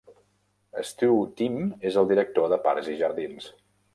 Stew Timm és el director de parcs i jardins.